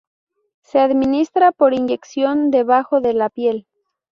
Se administra por inyección debajo de la piel.